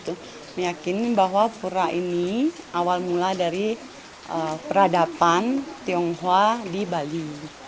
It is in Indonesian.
saya yakin bahwa pura ini awal mula dari peradaban tionghoa di bali